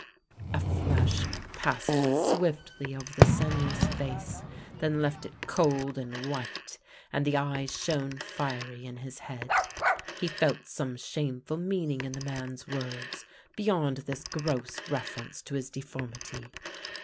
" A flush passed swiftly over the Seigneur's face, then left it cold and white, and the eyes shone fiery in his head. He felt some shameful m.eaning in the man's words beyond this gross reference to his deformity.